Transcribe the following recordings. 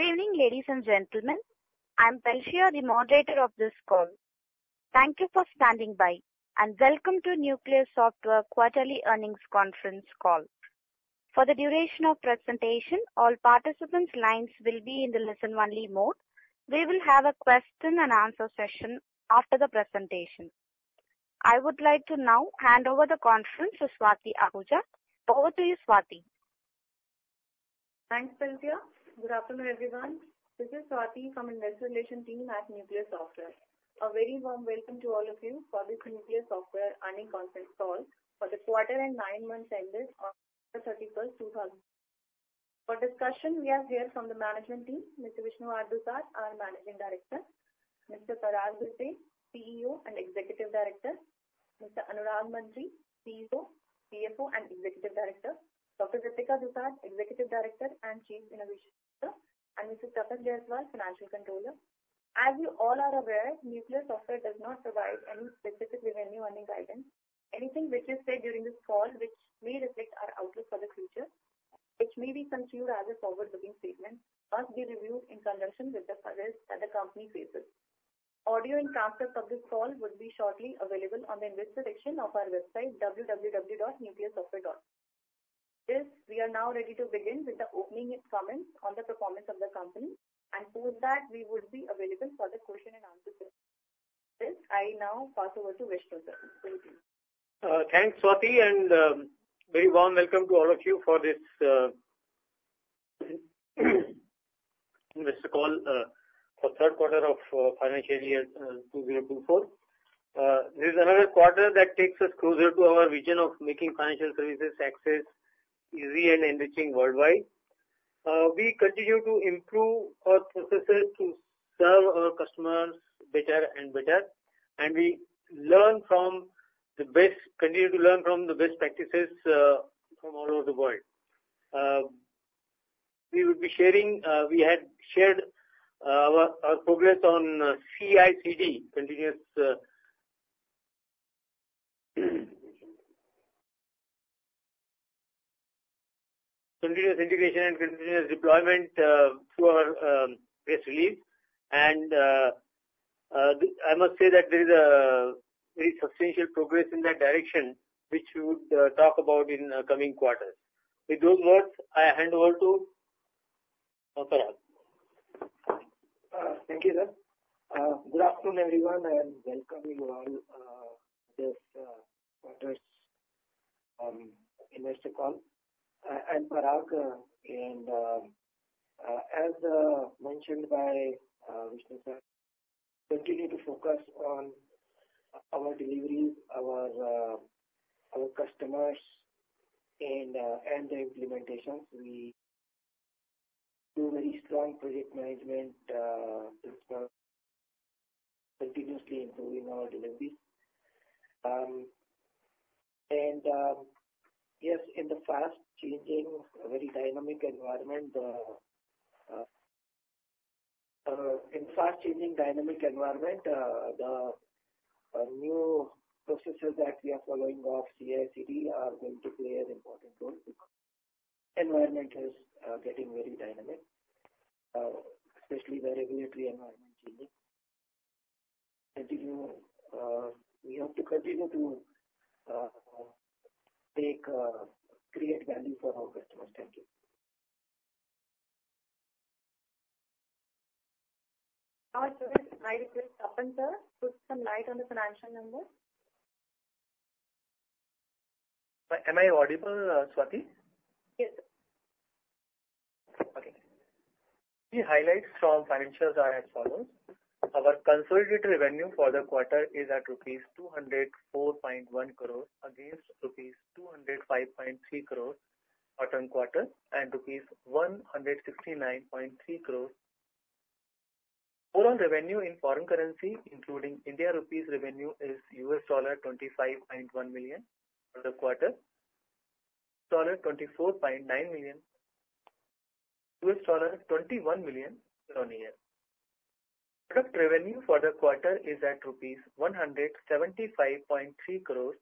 Good evening, ladies and gentlemen. I'm Valsia, the moderator of this call. Thank you for standing by, and Welcome to Nucleus Software Quarterly Earnings Conference call. For the duration of presentation, all participants' lines will be in the listen-only mode. We will have a question-and-answer session after the presentation. I would like to now hand over the conference to Swati Ahuja. Over to you, Swati. Thanks, Valsia. Good afternoon, everyone. This is Swati from the Investor Relations Team at Nucleus Software. A very warm welcome to all of you for this Nucleus Software Earnings Conference call for the quarter and nine months ended on October 31st. For discussion, we have here from the management team, Mr. Vishnu Dusad, our Managing Director; Mr. Parag Bhise, CEO and Executive Director; Mr. Anurag Mantri, CFO and Executive Director; Dr. Ritika Dusad, Executive Director and Chief Innovation Officer; and Mr. Tapan Jayaswal, Financial Controller. As you all are aware, Nucleus Software does not provide any specific revenue earning guidance. Anything which is said during this call, which may reflect our outlook for the future, which may be conceived as a forward-looking statement, must be reviewed in conjunction with the hurdles that the company faces. Audio and transcripts of this call would be shortly available on the Investor section of our website, www.nucleussoftware.com. We are now ready to begin with the opening comments on the performance of the company, and post that we would be available for the question-and-answer session. With this, I now pass over to Vishnu sir. Over to you. Thanks, Swati, and very warm welcome to all of you for this investor call for the third quarter of financial year 2024. This is another quarter that takes us closer to our vision of making financial services accessible and enriching worldwide. We continue to improve our processes to serve our customers better and better, and we continue to learn from the best practices from all over the world. We had shared our progress on CI/CD, Continuous Integration, and Continuous Deployment through our press release. I must say that there is very substantial progress in that direction, which we would talk about in coming quarters. With those words, I hand over to Parag. Thank you, sir. Good afternoon, everyone, and welcoming you all to this quarter's investor call. I'm Parag, and as mentioned by Vishnu, we continue to focus on our deliveries, our customers, and the implementations. We do very strong project management, continuously improving our deliveries. And yes, in the fast-changing, very dynamic environment, in the fast-changing, dynamic environment, the new processes that we are following of CI/CD are going to play an important role because the environment is getting very dynamic, especially the regulatory environment changing. We have to continue to create value for our customers. Thank you. Now I'll show this slide if you'll stop, sir, to put some light on the financial numbers. Am I audible, Swati? Yes, sir. Okay. The highlights from financials are as follows: our consolidated revenue for the quarter is at rupees 204.1 crore against rupees 205.3 crore for the quarter and rupees 169.3 crore. Total revenue in foreign currency, including Indian rupees revenue, is $25.1 million for the quarter, $24.9 million, $21 million year-on-year. Product revenue for the quarter is at rupees 175.3 crore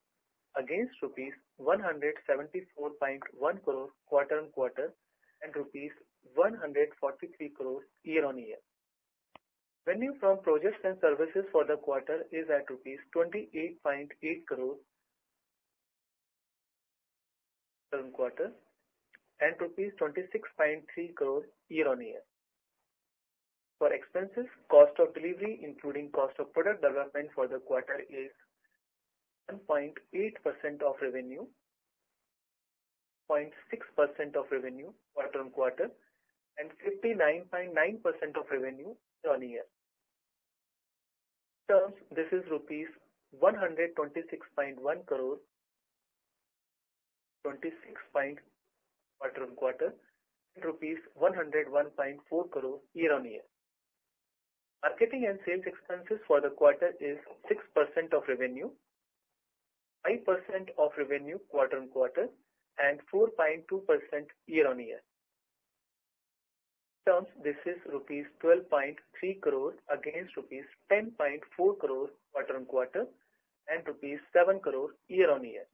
against rupees 174.1 crore quarter-on-quarter and rupees 143 crore year-on-year. Revenue from projects and services for the quarter is at rupees 28.8 crore quarter-on-quarter and INR 26.3 crore year-on-year. For expenses, cost of delivery, including cost of product development for the quarter, is 1.8% of revenue, 0.6% of revenue quarter-on-quarter, and 59.9% of revenue year-on-year. In terms, this is INR 126.1 crore quarter-on-quarter and rupees 101.4 crore year-on-year. Marketing and sales expenses for the quarter are 6% of revenue, 5% of revenue quarter-on-quarter, and 4.2% year-on-year. In terms, this is rupees 12.3 crore against rupees 10.4 crore quarter-on-quarter and rupees 7 crore year-on-year.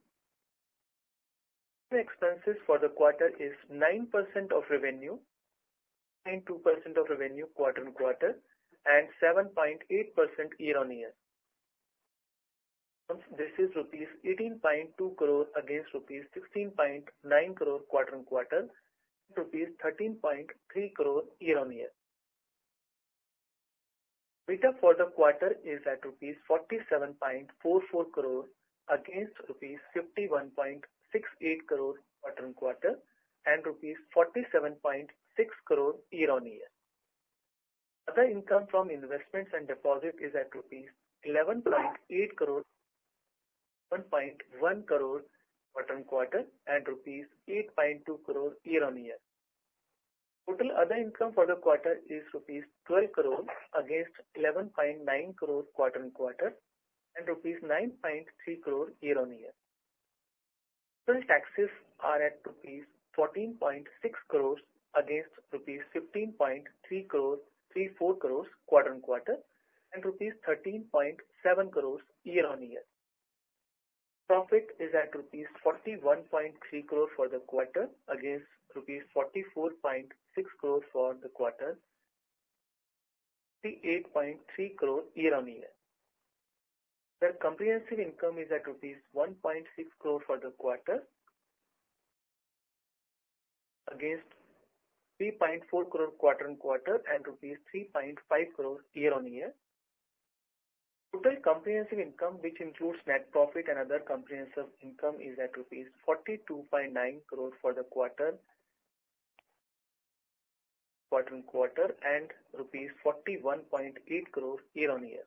Expenses for the quarter are 9% of revenue, 9.2% of revenue quarter-on-quarter, and 7.8% year-on-year. In terms, this is rupees 18.2 crore against rupees 16.9 crore quarter-on-quarter and rupees 13.3 crore year-on-year. EBITDA for the quarter is at rupees 47.44 crore against rupees 51.68 crore quarter-on-quarter and rupees 47.6 crore year-on-year. Other income from investments and deposits is at rupees 11.8 crore, 11.1 crore quarter-on-quarter, and rupees 8.2 crore year-on-year. Total other income for the quarter is rupees 12 crore against 11.9 crore quarter-on-quarter and rupees 9.3 crore year-on-year. Total taxes are at 14.6 crores against rupees 15.3 crore, 34 crores quarter-on-quarter, and rupees 13.7 crores year-on-year. Profit is at rupees 41.3 crore for the quarter against rupees 44.6 crore for the quarter, 58.3 crore year-on-year. Other comprehensive income is at rupees 1.6 crore for the quarter against 3.4 crore quarter-on-quarter and rupees 3.5 crore year-on-year. Total comprehensive income, which includes net profit and other comprehensive income, is at rupees 42.9 crore for the quarter-on-quarter and rupees 41.8 crore year-on-year.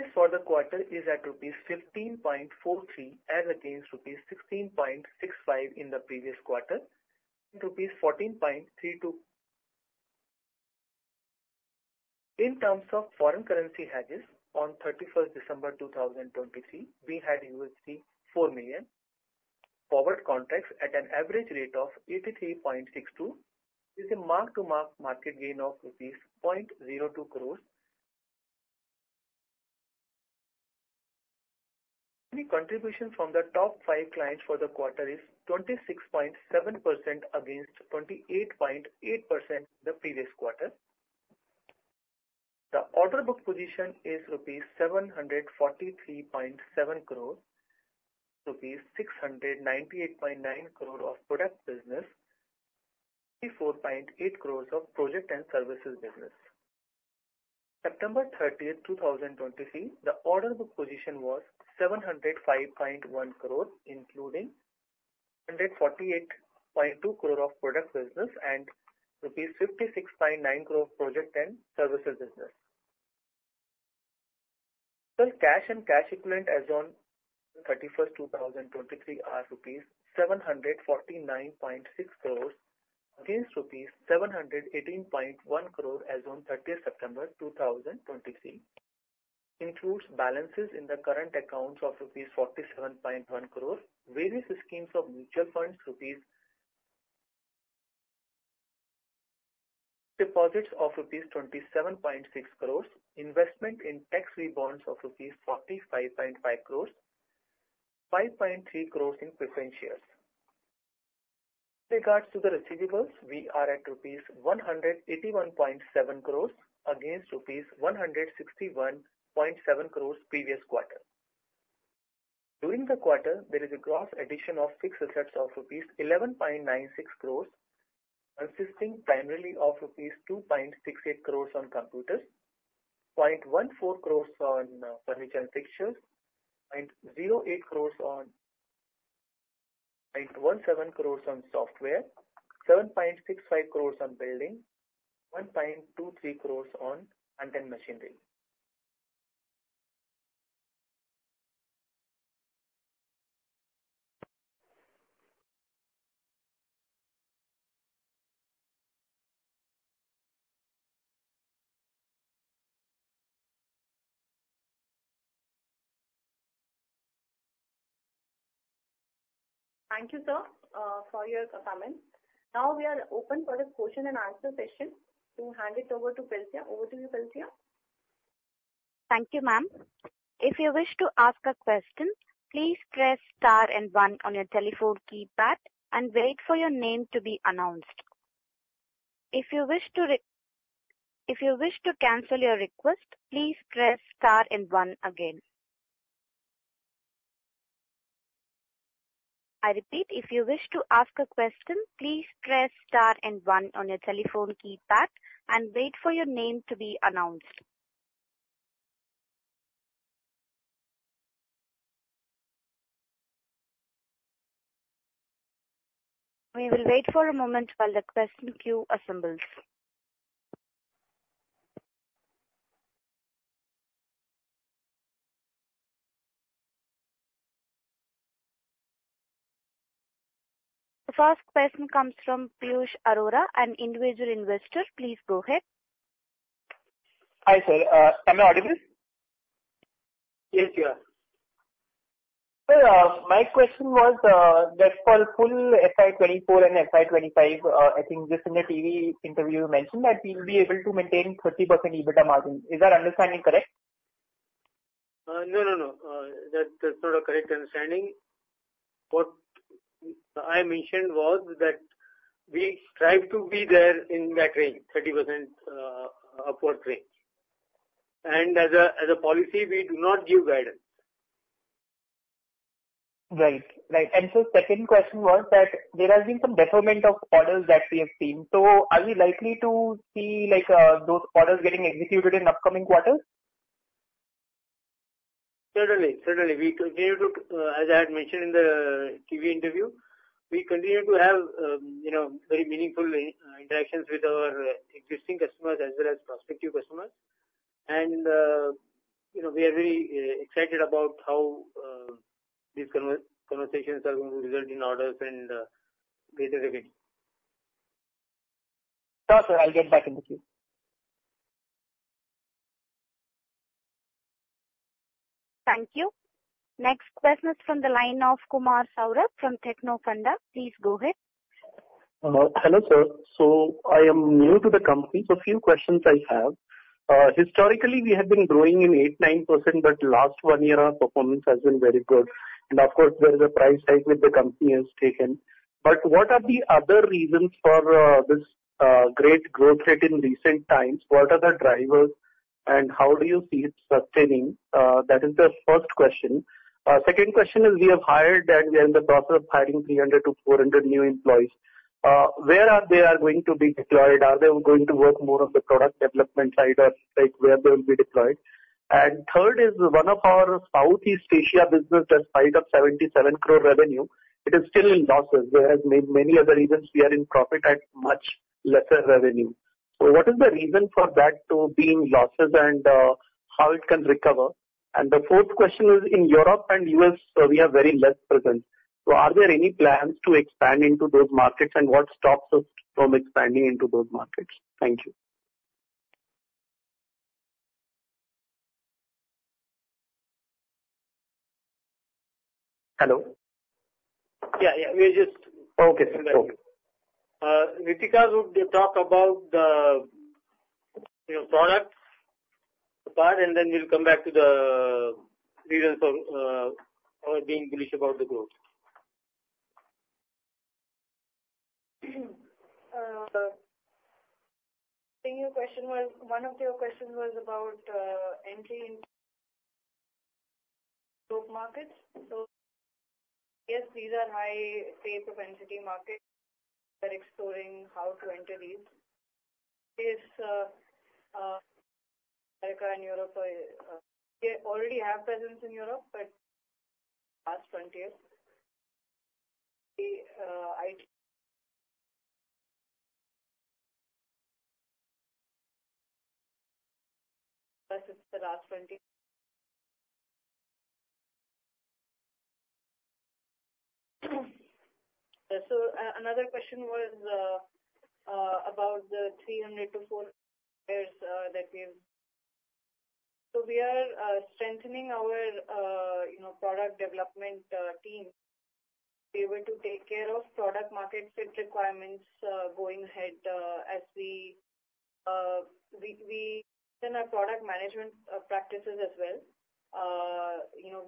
Interest for the quarter is at rupees 15.43 as against rupees 16.65 in the previous quarter and rupees 14.32. In terms of foreign currency hedges, on 31st December 2023, we had $4 million forward contracts at an average rate of 83.62, with a mark-to-market gain of rupees 0.02 crore. The contribution from the top five clients for the quarter is 26.7% against 28.8% the previous quarter. The order book position is rupees 743.7 crore, rupees 698.9 crore of product business, and 54.8 crore of project and services business. September 30th, 2023, the order book position was 705.1 crore, including 148.2 crore of product business and rupees 56.9 crore of project and services business. Total cash and cash equivalent as on 31st December 2023 are rupees 749.6 crores against rupees 718.1 crore as on 30th September 2023. It includes balances in the current accounts of rupees 47.1 crore, various schemes of mutual funds rupees 27.6 crore, investment in tax refunds of rupees 45.5 crore, and 5.3 crore in preferential shares. With regards to the receivables, we are at INR 181.7 crores against rupees 161.7 crores previous quarter. During the quarter, there is a gross addition of fixed assets of rupees 11.96 crores, consisting primarily of rupees 2.68 crores on computers, 0.14 crores on furniture and fixtures, 0.08 crores on software, 7.65 crores on building, and 1.23 crores on plant and machinery. Thank you, sir, for your comments. Now we are open for the question-and-answer session. To hand it over to Valsia. Over to you, Valsia. Thank you, ma'am. If you wish to ask a question, please press star and one on your telephone keypad and wait for your name to be announced. If you wish to cancel your request, please press star and one again. I repeat, if you wish to ask a question, please press star and one on your telephone keypad and wait for your name to be announced. We will wait for a moment while the question queue assembles. The first question comes from Piyush Arora, an individual investor. Please go ahead. Hi, sir. Am I audible? Yes, you are. Sir, my question was that for full FY 2024 and FY 2025, I think just in the TV interview you mentioned that we'll be able to maintain 30% EBITDA margin. Is that understanding correct? No, no, no. That's not a correct understanding. What I mentioned was that we strive to be there in that range, 30% upward range. And as a policy, we do not give guidance. Right, right. And so the second question was that there has been some deferment of orders that we have seen. So are we likely to see those orders getting executed in upcoming quarters? Certainly, certainly. As I had mentioned in the TV interview, we continue to have very meaningful interactions with our existing customers as well as prospective customers. And we are very excited about how these conversations are going to result in orders and greater revenue. Sure, sir. I'll get back in the queue. Thank you. Next question is from the line of Kumar Saurabh from TechnoFunda. Please go ahead. Hello, sir. So I am new to the company, so a few questions I have. Historically, we have been growing at 8%-9%, but the last one year our performance has been very good. And of course, there is a price tag which the company has taken. But what are the other reasons for this great growth rate in recent times? What are the drivers, and how do you see it sustaining? That is the first question. Second question is we have hired, and we are in the process of hiring 300-400 new employees. Where are they going to be deployed? Are they going to work more on the product development side, or where they will be deployed? And third is one of our Southeast Asia business, despite 77 crore revenue, it is still in losses. There are many other reasons we are in profit at much lesser revenue. So what is the reason for that being losses and how it can recover? And the fourth question is in Europe and U.S., we are very less present. So are there any plans to expand into those markets, and what stops us from expanding into those markets? Thank you. Hello? Yeah, yeah. We're just. Okay, okay. Ritika would talk about the product part, and then we'll come back to the reasons for being bullish about the growth. I think your question was one of your questions was about entry into growth markets. So yes, these are high-pay propensity markets. We are exploring how to enter these. America and Europe, we already have presence in Europe, but last frontier. Plus, it's the last frontier. So another question was about the 300-400 players that we have. So we are strengthening our product development team to be able to take care of product market fit requirements going ahead as we then our product management practices as well.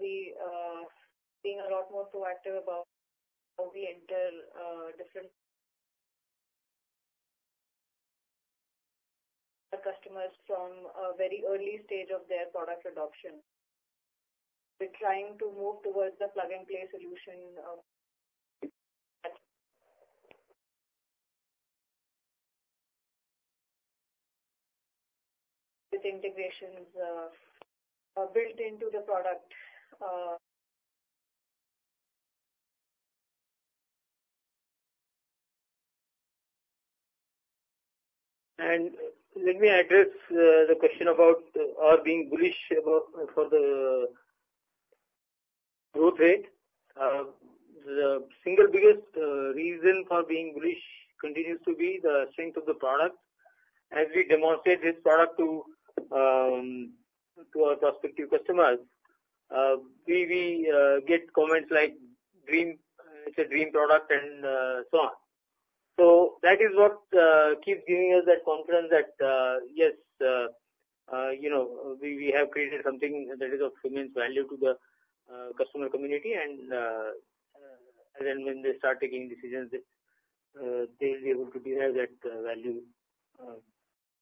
We are being a lot more proactive about how we enter different customers from a very early stage of their product adoption. We're trying to move towards the plug-and-play solution with integrations built into the product. Let me address the question about our being bullish for the growth rate. The single biggest reason for being bullish continues to be the strength of the product. As we demonstrate this product to our prospective customers, we get comments like, "It's a dream product," and so on. So that is what keeps giving us that confidence that, yes, we have created something that is of immense value to the customer community. And then when they start taking decisions, they'll be able to derive that value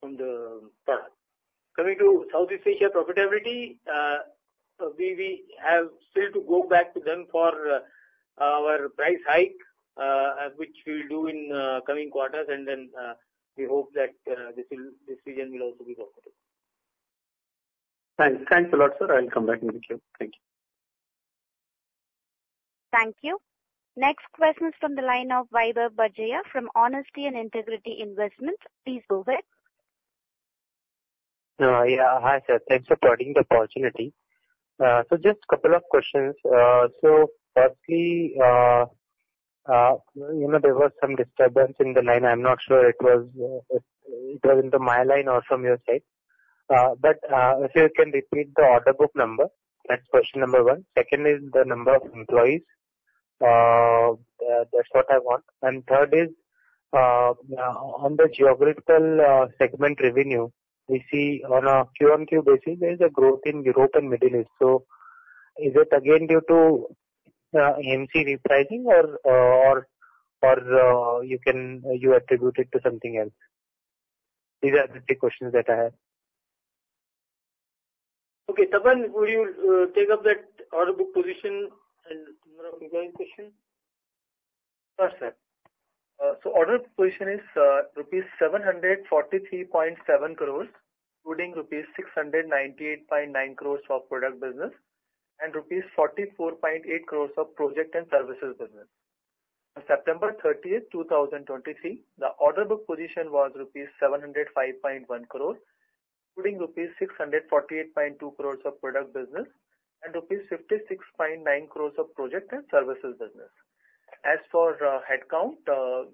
from the product. Coming to Southeast Asia profitability, we have still to go back to them for our price hike, which we'll do in coming quarters. And then we hope that this decision will also be profitable. Thanks. Thanks a lot, sir. I'll come back in the queue. Thank you. Thank you. Next question is from the line of Vaibhav Badjatya from Honesty & Integrity Investment. Please go ahead. Yeah, hi, sir. Thanks for providing the opportunity. So just a couple of questions. So firstly, there was some disturbance in the line. I'm not sure it was in my line or from your side. But if you can repeat the order book number, that's question number one. Second is the number of employees. That's what I want. And third is, on the geographical segment revenue, we see on a quarter-on-quarter basis, there is a growth in Europe and Middle East. So is it again due to AMC repricing, or you attribute it to something else? These are the three questions that I had. Okay. would you take up that order book position and number of employees question? Sure, sir. So order book position is rupees 743.7 crores, including rupees 698.9 crores of product business and rupees 44.8 crores of project and services business. On September 30th, 2023, the order book position was rupees 705.1 crores, including rupees 648.2 crores of product business and rupees 56.9 crores of project and services business. As for headcount,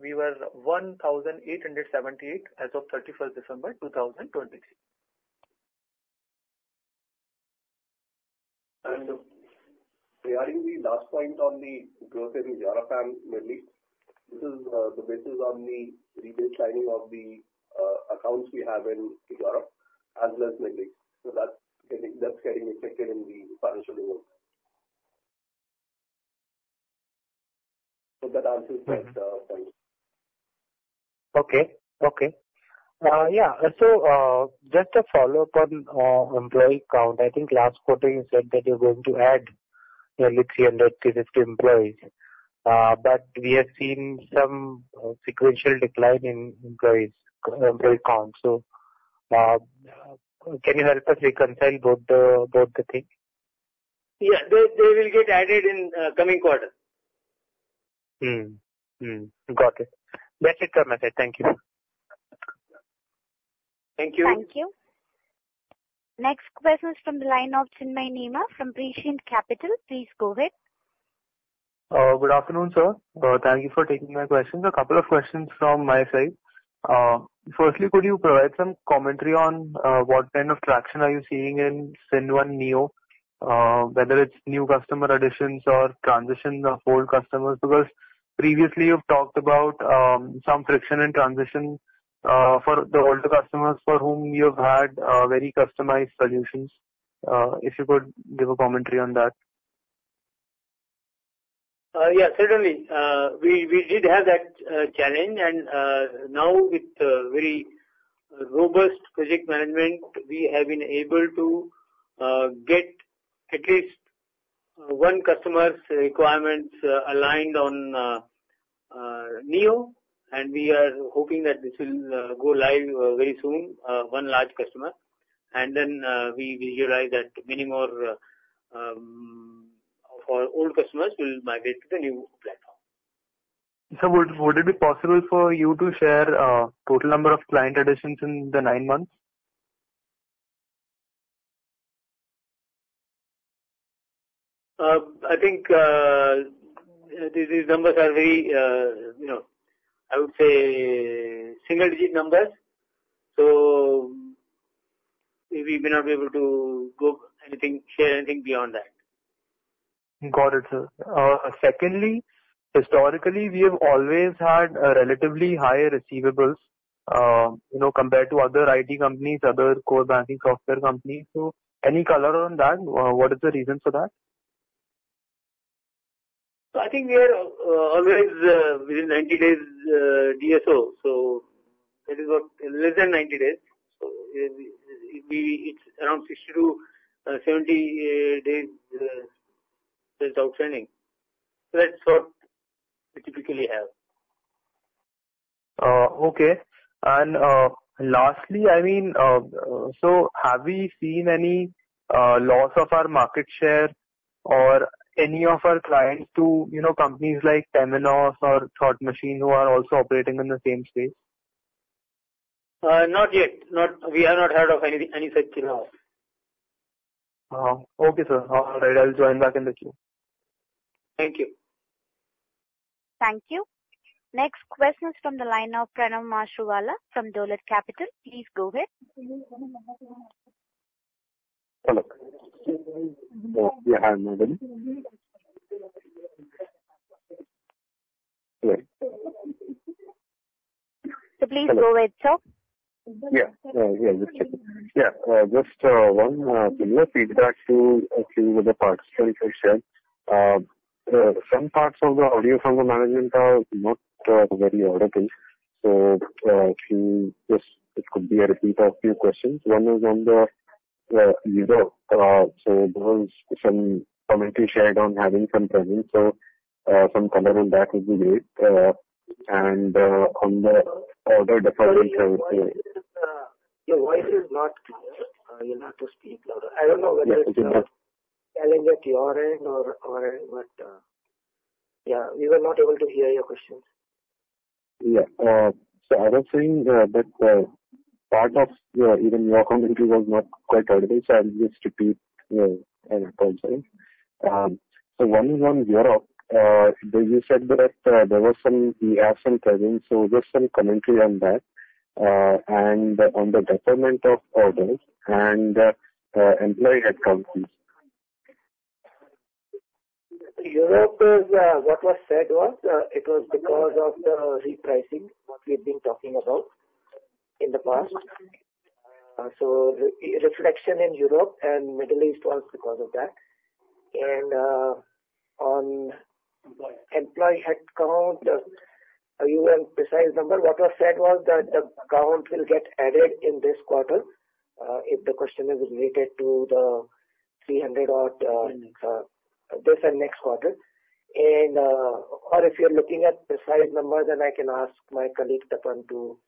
we were 1,878 as of 31st December 2023. Regarding the last point on the growth in Europe, Middle East, this is the basis on the rebase signing of the accounts we have in Europe as well as Middle East. That's getting reflected in the financial results. That answers that point. Okay, okay. Yeah. So just a follow-up on employee count. I think last quarter, you said that you're going to add nearly 300-350 employees. But we have seen some sequential decline in employee count. So can you help us reconcile both the things? Yeah. They will get added in coming quarter. Got it. That's it, sir. Thank you. Thank you. Thank you. Next question is from the line of Chinmay Nema from Prescient Capital. Please go ahead. Good afternoon, sir. Thank you for taking my questions. A couple of questions from my side. Firstly, could you provide some commentary on what kind of traction are you seeing in FinnOne Neo, whether it's new customer additions or transition of old customers? Because previously, you've talked about some friction and transition for the older customers for whom you have had very customized solutions. If you could give a commentary on that. Yeah, certainly. We did have that challenge. Now, with very robust project management, we have been able to get at least one customer's requirements aligned on Neo. We are hoping that this will go live very soon, one large customer. Then we realize that many more of our old customers will migrate to the new platform. Sir, would it be possible for you to share the total number of client additions in the nine months? I think these numbers are very, I would say, single-digit numbers. So we may not be able to share anything beyond that. Got it, sir. Secondly, historically, we have always had relatively higher receivables compared to other IT companies, other core banking software companies. So any color on that? What is the reason for that? I think we are always within 90 days DSO. That is what, less than 90 days. It's around 60-70 days without sending. That's what we typically have. Okay. And lastly, I mean, so have we seen any loss of our market share or any of our clients to companies like Temenos or Thought Machine who are also operating in the same space? Not yet. We have not heard of any such thing now. Okay, sir. All right. I'll join back in the queue. Thank you. Thank you. Next question is from the line of Pranav Kshatriya from Dolat Capital. Please go ahead. Hello. Yeah, hi, Madam. Hello. Please go ahead, sir. Yeah, yeah, just checking. Yeah, just one similar feedback to a few of the parts that you had shared. Some parts of the audio from the management are not very audible. So it could be a repeat of a few questions. One is on Europe. So there was some commentary shared on having some presence. So some color on that would be great. And on the order deferment. Your voice is not clear. You have to speak louder. I don't know whether it's a challenge at your end or what. Yeah, we were not able to hear your question. Yeah. So I was saying that part of even your commentary was not quite audible. So I'll just repeat and apologize. So one is on Europe. You said that there was some we have some presence. Just some commentary on that and on the deferment of orders and employee headcount. Europe, what was said was it was because of the repricing, what we've been talking about in the past. So reflection in Europe and Middle East was because of that. On employee headcount, are you on precise number? What was said was that the count will get added in this quarter if the question is related to the 300 or this and next quarter. Or if you're looking at precise numbers, then I can ask my colleague, Tapan, to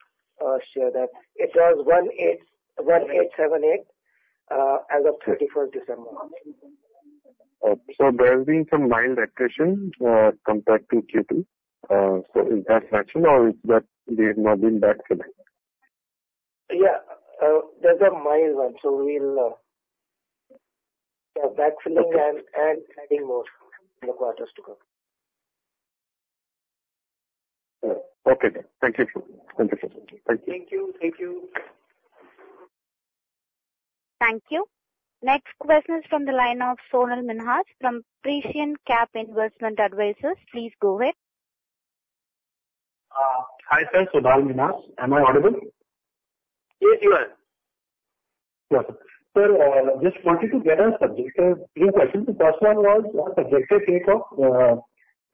share that. It was 1,878 as of 31st December. There has been some mild recession compared to Q2. Is that fractional, or is that we have not been backfilling? Yeah, there's a mild one. So we'll start backfilling and adding more in the quarters to come. Okay, sir. Thank you. Thank you. Thank you. Thank you. Next question is from the line of Sonal Minhas from Prescient Capital. Please go ahead. Hi, sir. Sonal Minhas. Am I audible? Yes, you are. Yes, sir. Sir, just wanted to get a couple of questions. The first one was a subjective take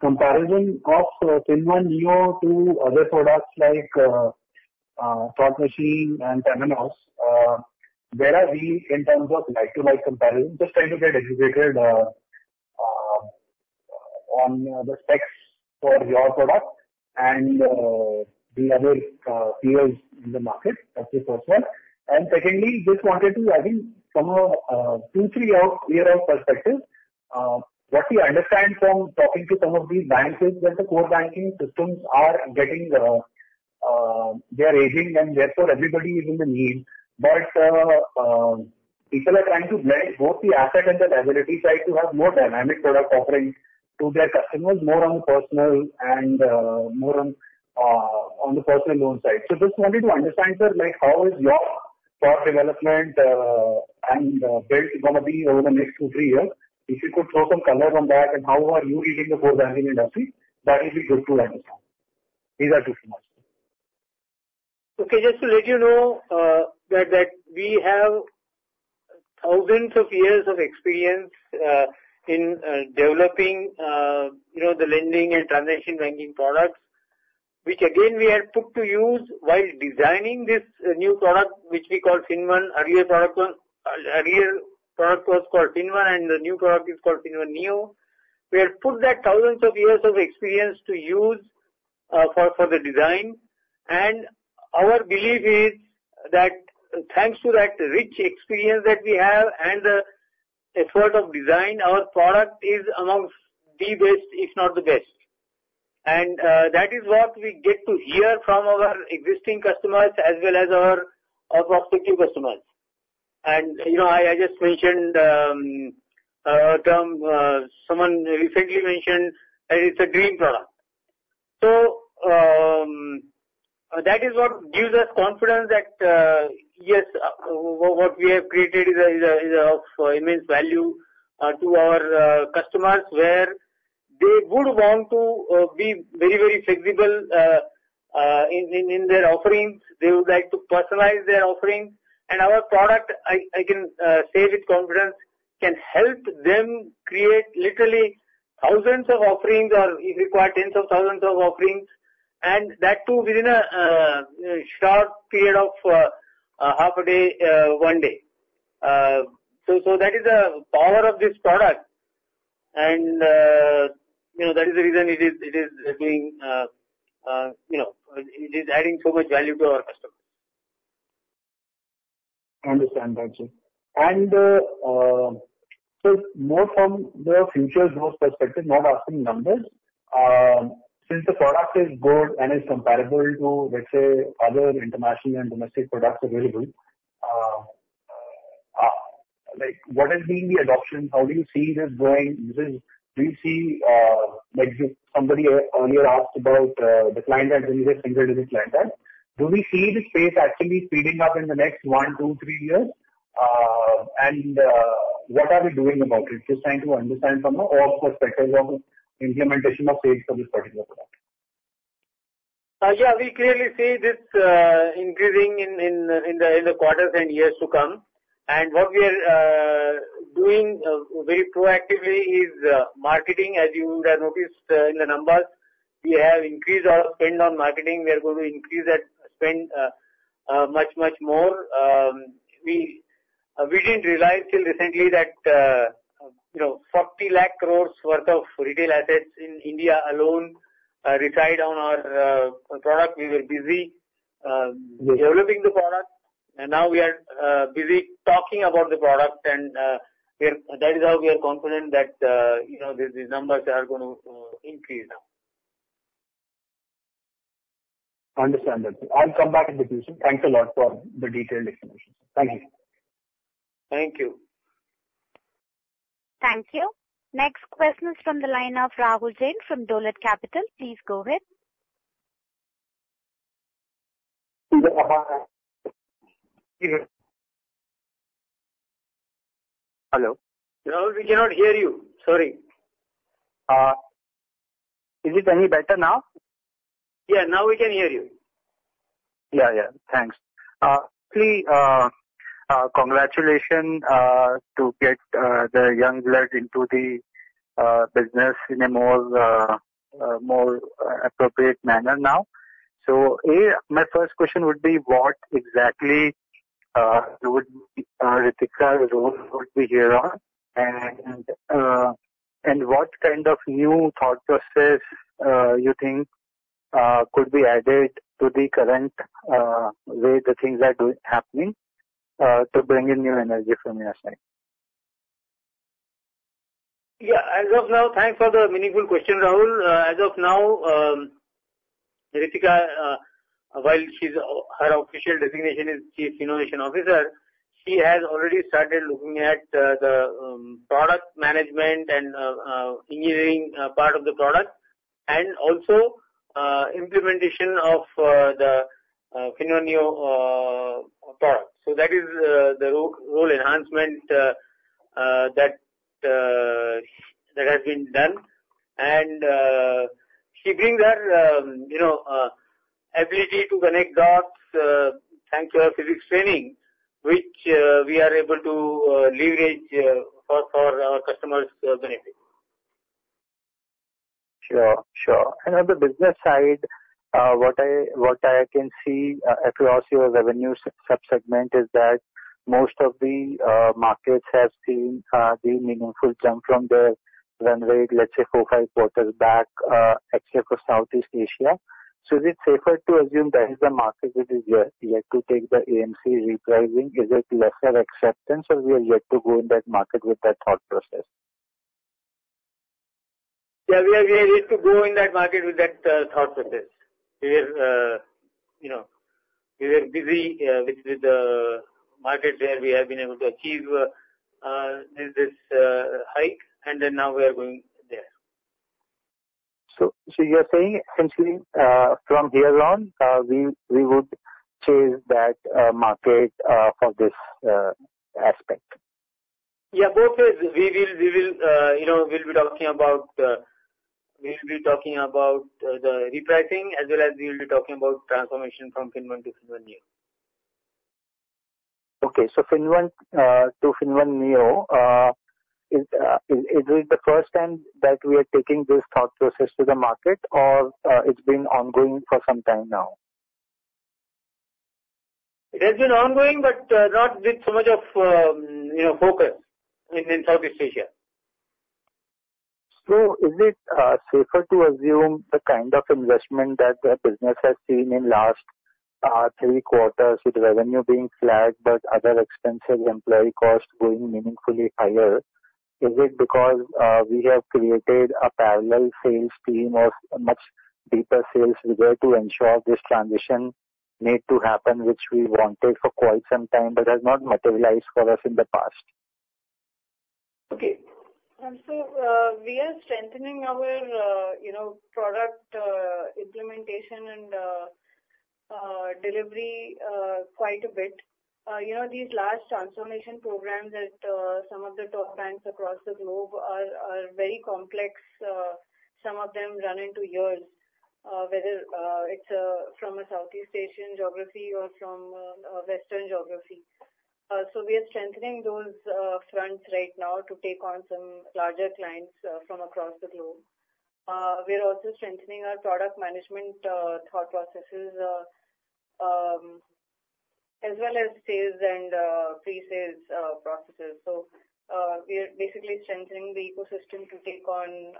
of comparison of FinnOne to other products like Thought Machine and Temenos. Where are we in terms of like-to-like comparison? Just trying to get educated on the specs for your product and the other peers in the market. That's the first one. And secondly, just wanted to, I think, from a two-three-year perspective, what we understand from talking to some of these banks is that the core banking systems are getting; they are aging, and therefore, everybody is in the need. But people are trying to blend both the asset and the liability side to have more dynamic product offering to their customers, more on the personal and more on the personal loan side. Just wanted to understand, sir, how is your thought development and build going to be over the next two, three years? If you could throw some color on that, and how are you reading the core banking industry? That would be good to understand. These are two questions. Okay. Just to let you know that we have thousands of years of experience in developing the lending and transaction banking products, which, again, we have put to use while designing this new product, which we called FinnOne. Earlier product was called FinnOne, and the new product is called FinnOne Neo. We have put that thousands of years of experience to use for the design. And our belief is that thanks to that rich experience that we have and the effort of design, our product is amongst the best, if not the best. And that is what we get to hear from our existing customers as well as our prospective customers. And I just mentioned a term. Someone recently mentioned it's a dream product. So that is what gives us confidence that, yes, what we have created is of immense value to our customers where they would want to be very, very flexible in their offerings. They would like to personalize their offerings. And our product, I can say with confidence, can help them create literally thousands of offerings or, if required, tens of thousands of offerings. And that too within a short period of half a day, one day. So that is the power of this product. And that is the reason it is doing it is adding so much value to our customers. I understand that, Sir, more from the future growth perspective, not asking numbers, since the product is good and is comparable to, let's say, other international and domestic products available, what has been the adoption? How do you see this growing? Do you see somebody earlier asked about the client adds and the single-digit client adds? Do we see the space actually speeding up in the next one, two, three years? And what are we doing about it? Just trying to understand from the overall perspective of implementation of sales for this particular product. Yeah, we clearly see this increasing in the quarters and years to come. What we are doing very proactively is marketing. As you would have noticed in the numbers, we have increased our spend on marketing. We are going to increase that spend much, much more. We didn't realize till recently that 4,000,000 crore worth of retail assets in India alone reside on our product. We were busy developing the product. Now we are busy talking about the product. That is how we are confident that these numbers are going to increase now. Understand that. I'll come back in the future. Thanks a lot for the detailed explanation. Thank you. Thank you. Thank you. Next question is from the line of Rahul Jain from Dolat Capital. Please go ahead. Hello. We cannot hear you. Sorry. Is it any better now? Yeah, now we can hear you. Yeah, yeah. Thanks. Actually, congratulations to get the young blood into the business in a more appropriate manner now. So my first question would be, what exactly would Ritika's role be here on? And what kind of new thought process you think could be added to the current way the things are happening to bring in new energy from your side? Yeah. As of now, thanks for the meaningful question, Rahul. As of now, Ritika, while her official designation is Chief Innovation Officer, she has already started looking at the product management and engineering part of the product and also implementation of the FinnOne Neo product. So that is the role enhancement that has been done. And she brings her ability to connect dots. Thanks to her physics training, which we are able to leverage for our customers' benefit. Sure, sure. On the business side, what I can see across your revenue subsegment is that most of the markets have seen the meaningful jump from their run rate, let's say, four, five quarters back, except for Southeast Asia. Is it safer to assume that is the market that is yet to take the AMC repricing? Is it lesser acceptance, or we are yet to go in that market with that thought process? Yeah, we are yet to go in that market with that thought process. We were busy with the market where we have been able to achieve this hike, and then now we are going there. You're saying, essentially, from here on, we would chase that market for this aspect? Yeah, both ways. We will be talking about the repricing as well as we will be talking about transformation from FinnOne Neo to FinnOne Neo. Okay. So FinnOne Neo, is it the first time that we are taking this thought process to the market, or it's been ongoing for some time now? It has been ongoing, but not with so much of focus in Southeast Asia. Is it safer to assume the kind of investment that the business has seen in last three quarters with revenue being flagged but other expensive employee costs going meaningfully higher? Is it because we have created a parallel sales team or much deeper sales rigor to ensure this transition need to happen, which we wanted for quite some time but has not materialized for us in the past? We are strengthening our product implementation and delivery quite a bit. These large transformation programs at some of the top banks across the globe are very complex. Some of them run into years, whether it's from a Southeast Asian geography or from a Western geography. We are strengthening those fronts right now to take on some larger clients from across the globe. We are also strengthening our product management thought processes as well as sales and presales processes. We are basically strengthening the ecosystem to take on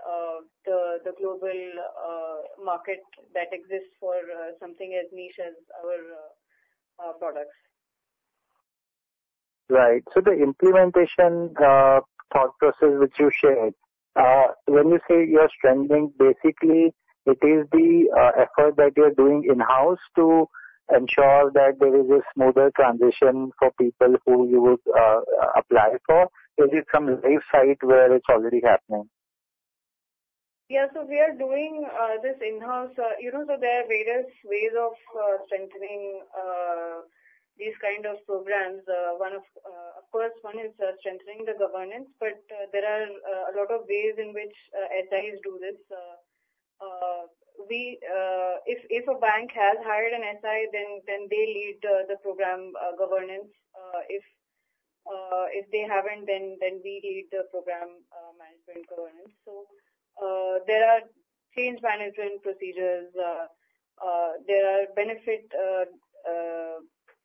the global market that exists for something as niche as our products. Right. So the implementation thought process which you shared, when you say you're strengthening, basically, it is the effort that you're doing in-house to ensure that there is a smoother transition for people who you would apply for? Is it some live site where it's already happening? Yeah. So we are doing this in-house. So there are various ways of strengthening these kind of programs. Of course, one is strengthening the governance, but there are a lot of ways in which SIs do this. If a bank has hired an SI, then they lead the program governance. If they haven't, then we lead the program management governance. So there are change management procedures. There are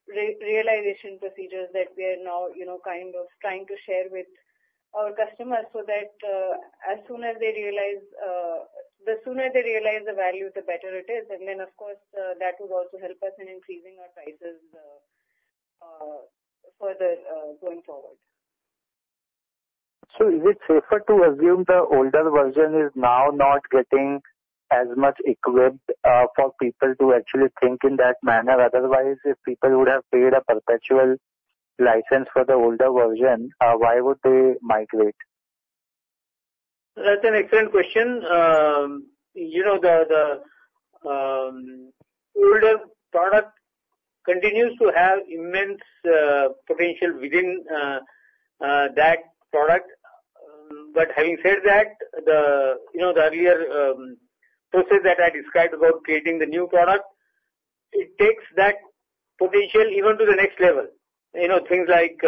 benefit realization procedures that we are now kind of trying to share with our customers so that as soon as they realize, the sooner they realize the value, the better it is. And then, of course, that would also help us in increasing our prices further going forward. Is it safer to assume the older version is now not getting as much equipped for people to actually think in that manner? Otherwise, if people would have paid a perpetual license for the older version, why would they migrate? That's an excellent question. The older product continues to have immense potential within that product. But having said that, the earlier process that I described about creating the new product, it takes that potential even to the next level. Things like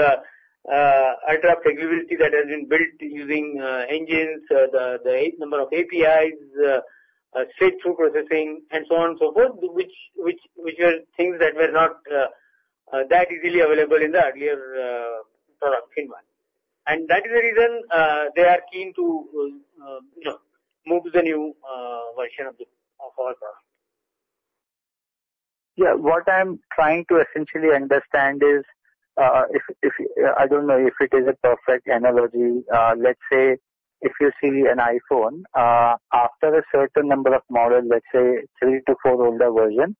ultra-flexibility that has been built using engines, the number of APIs, straight-through processing, and so on and so forth, which are things that were not that easily available in the earlier product, FinnOne Neo. And that is the reason they are keen to move to the new version of our product. Yeah. What I'm trying to essentially understand is, I don't know if it is a perfect analogy. Let's say if you see an iPhone, after a certain number of models, let's say three-four older versions,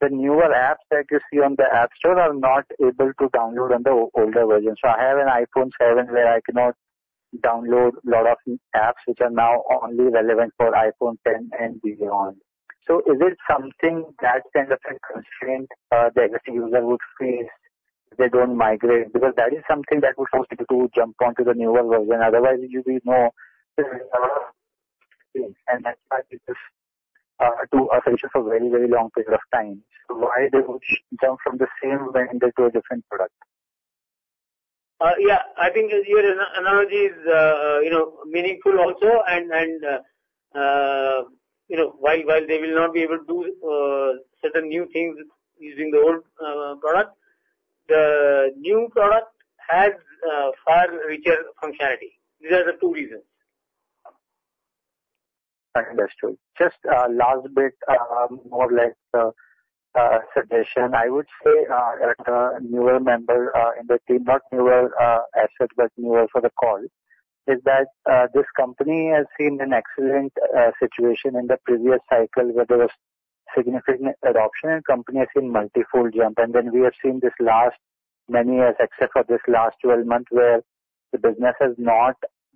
the newer apps that you see on the App Store are not able to download on the older versions. So I have an iPhone 7 where I cannot download a lot of apps, which are now only relevant for iPhone 10 and beyond. So is it something that kind of a constraint that the user would face if they don't migrate? Because that is something that would force people to jump onto the newer version. Otherwise, you will know there is a lot of things, and that might be just too essential for a very, very long period of time. So why they would jump from the same vendor to a different product? Yeah. I think your analogy is meaningful also. And while they will not be able to do certain new things using the old product, the new product has far richer functionality. These are the two reasons. That's true. Just last bit, more like a suggestion. I would say that the newer member in the team, not newer asset but newer for the call, is that this company has seen an excellent situation in the previous cycle where there was significant adoption, and the company has seen multiple jumps. And then we have seen this last many years, except for this last 12 months, where the business has not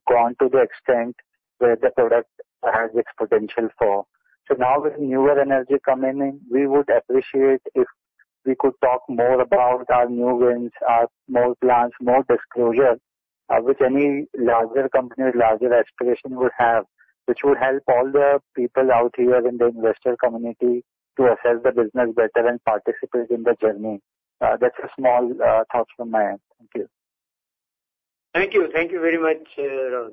gone to the extent where the product has its potential for. So now with newer energy coming in, we would appreciate if we could talk more about our new wins, our more plans, more disclosure, which any larger company, larger aspiration would have, which would help all the people out here in the investor community to assess the business better and participate in the journey. That's a small thought from my end. Thank you. Thank you. Thank you very much, Rahul.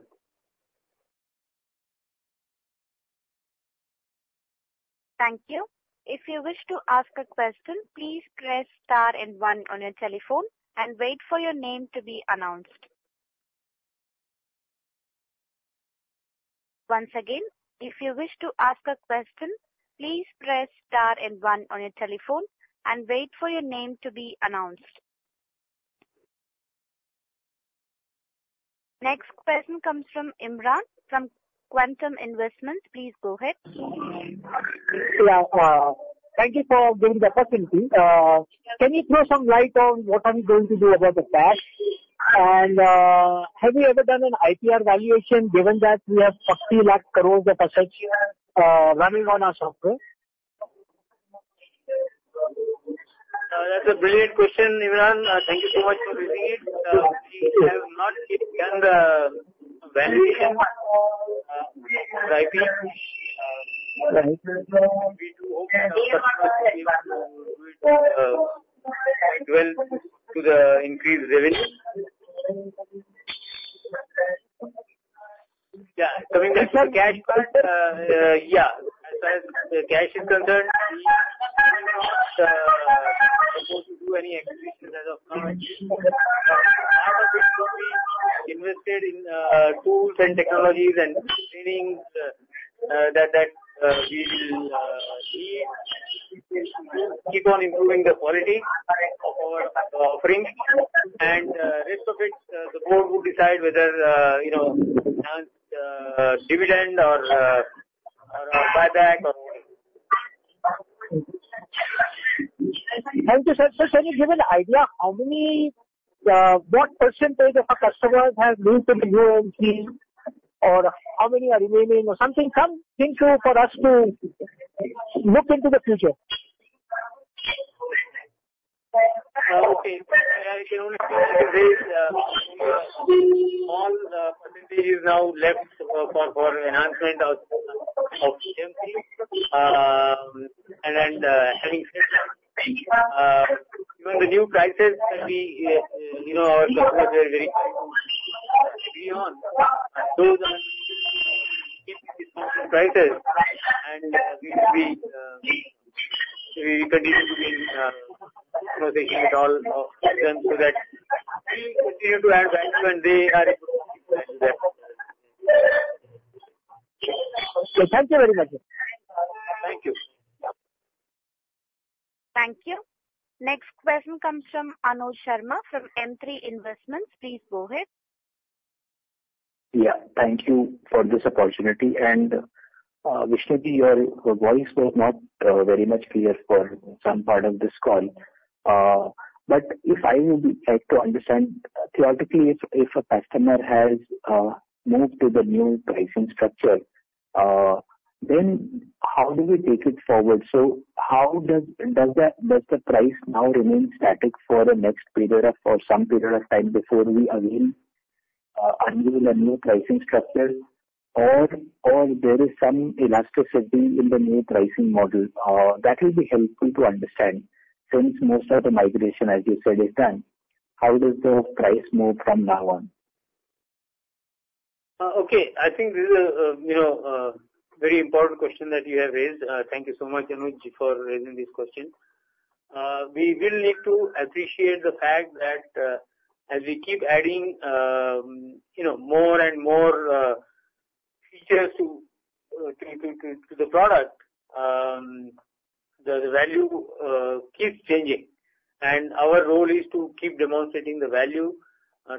Thank you. If you wish to ask a question, please press star and one on your telephone and wait for your name to be announced. Once again, if you wish to ask a question, please press star and one on your telephone and wait for your name to be announced. Next question comes from Imran from Quantum Investments. Please go ahead. Yeah. Thank you for giving the opportunity. Can you throw some light on what are we going to do about the cash? And have we ever done an IPR valuation given that we have 4,000,000 crore of assets running on our software? That's a brilliant question, Imran. Thank you so much for giving it. We have not done the valuation of the IP. We do hope that our software will be able to do it well to increase revenue. Yeah. Coming back to the cash part, yeah, as far as the cash is concerned, we are not supposed to do any acquisitions as of now. Part of it will be invested in tools and technologies and training that we will need to keep on improving the quality of our offerings. The rest of it, the board would decide whether enhanced dividend or buyback or holding. Thank you. Sir, can you give an idea what percentage of our customers have moved to the UNC, or how many are remaining, or something for us to look into the future? Okay. I can only say today, all the percentage is now left for enhancement of AMC. And then having said that, even the new prices, our customers were very happy to agree on. Those are keeping these prices, and we will continue to be in negotiation with all of them so that we continue to add value, and they are able to keep value there. Thank you very much, sir. Thank you. Thank you. Next question comes from Anuj Sharma from M3 Investments. Please go ahead. Yeah. Thank you for this opportunity. And Vishnu D, your voice was not very much clear for some part of this call. But if I would like to understand, theoretically, if a customer has moved to the new pricing structure, then how do we take it forward? So does the price now remain static for some period of time before we again unveil a new pricing structure, or there is some elasticity in the new pricing model? That will be helpful to understand. Since most of the migration, as you said, is done, how does the price move from now on? Okay. I think this is a very important question that you have raised. Thank you so much, Anuj, for raising this question. We will need to appreciate the fact that as we keep adding more and more features to the product, the value keeps changing. And our role is to keep demonstrating the value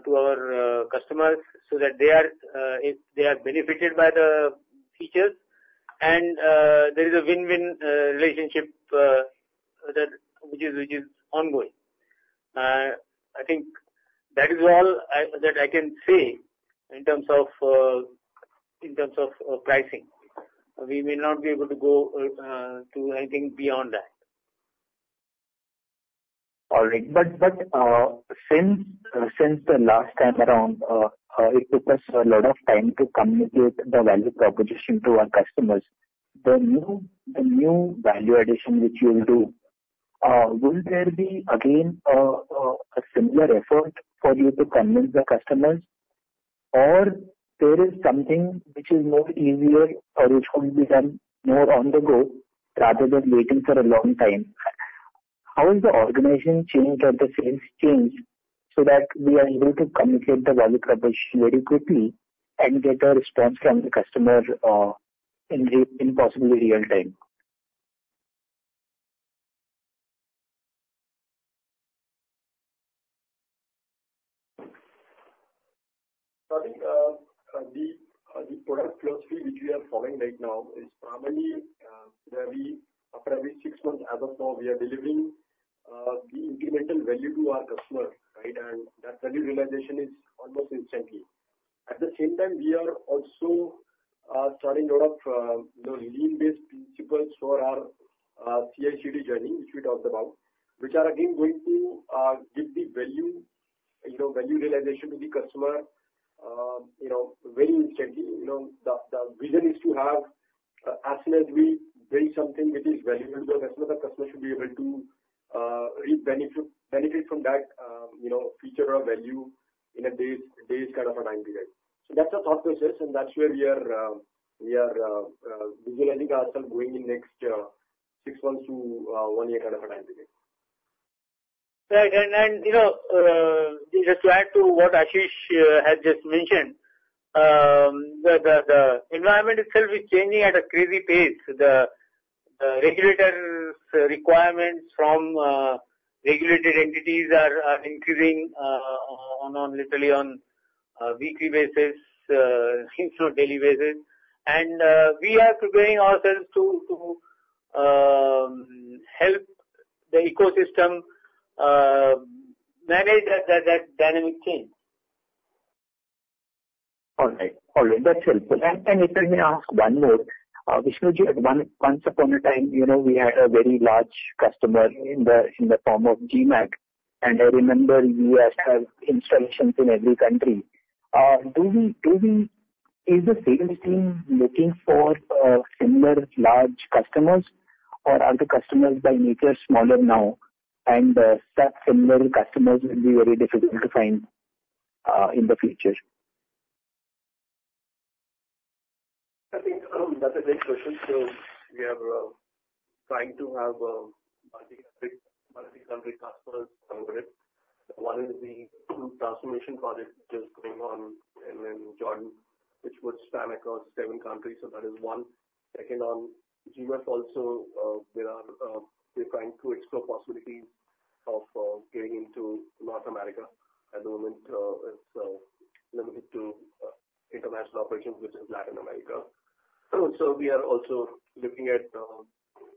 to our customers so that they are benefited by the features. And there is a win-win relationship which is ongoing. I think that is all that I can say in terms of pricing. We may not be able to go to anything beyond that. All right. But since the last time around, it took us a lot of time to communicate the value proposition to our customers, the new value addition which you will do, will there be, again, a similar effort for you to convince the customers, or there is something which is more easier or which could be done more on the go rather than waiting for a long time? How has the organization changed or the sales changed so that we are able to communicate the value proposition very quickly and get a response from the customer in possibly real time? So I think the product philosophy which we are forming right now is primarily that after every six months, as of now, we are delivering the incremental value to our customer, right? And that value realization is almost instantly. At the same time, we are also starting a lot of lean-based principles for our CI/CD journey which we talked about, which are again going to give the value realization to the customer very instantly. The vision is to have, as soon as we build something which is valuable to the customer, the customer should be able to reap benefit from that feature or value in a day's kind of a time period. So that's a thought process, and that's where we are visualizing ourselves going in the next six months to one year kind of a time period. Right. And just to add to what she had just mentioned, the environment itself is changing at a crazy pace. The regulator's requirements from regulated entities are increasing literally on a weekly basis, if not daily basis. And we are preparing ourselves to help the ecosystem manage that dynamic change. All right. All right. That's helpful. And if I may ask one more, Vishnu Ji, once upon a time, we had a very large customer in the form of GMAC. And I remember you asked about installations in every country. Is the sales team looking for similar, large customers, or are the customers by nature smaller now, and such similar customers will be very difficult to find in the future? I think that's a great question. So we are trying to have multicultural customers over it. One is the transformation project just going on in Jordan, which would span across seven countries. So that is one. Second, on GMAC also, we're trying to explore possibilities of getting into North America. At the moment, it's limited to international operations, which is Latin America. So we are also looking at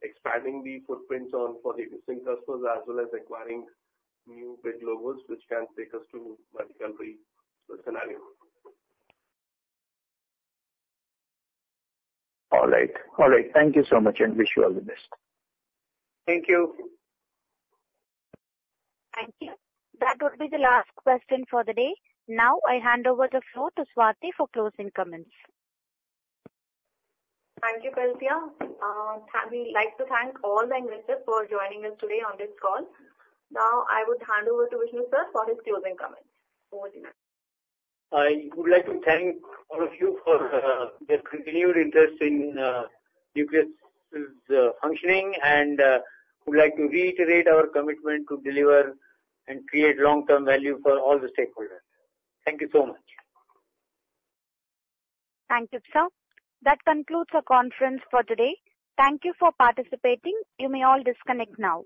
expanding the footprints for the existing customers as well as acquiring new big logos, which can take us to multicultural scenarios. All right. All right. Thank you so much, and wish you all the best. Thank you. Thank you. That would be the last question for the day. Now, I hand over the floor to Swati for closing comments. Thank you, Valsia. We'd like to thank all the investors for joining us today on this call. Now, I would hand over to Vishnu Sir for his closing comments. Over to you, Vishnu Sir. I would like to thank all of you for your continued interest in Nucleus's functioning and would like to reiterate our commitment to deliver and create long-term value for all the stakeholders. Thank you so much. Thank you, Sir. That concludes our conference for today. Thank you for participating. You may all disconnect now.